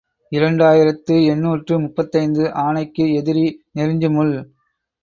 இரண்டு ஆயிரத்து எண்ணூற்று முப்பத்தைந்து ஆனைக்கு எதிரி நெருஞ்சி முள்.